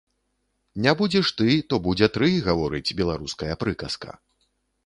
Не будзеш ты, то будзе тры, гаворыць беларуская прыказка.